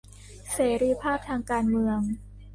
เสรีภาพทางการเมือง